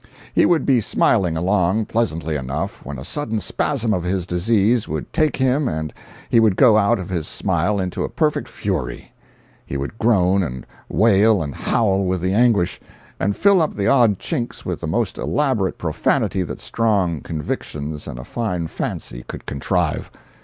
He would be smiling along pleasantly enough, when a sudden spasm of his disease would take him and he would go out of his smile into a perfect fury. He would groan and wail and howl with the anguish, and fill up the odd chinks with the most elaborate profanity that strong convictions and a fine fancy could contrive.